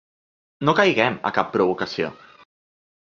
No caiguem a cap provocació.